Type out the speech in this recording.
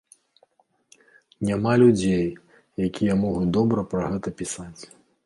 Няма людзей, якія могуць добра пра гэта пісаць.